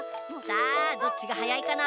さあどっちがはやいかな？